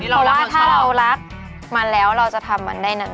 เพราะว่าถ้าเรารักมันแล้วเราจะทำมันได้นาน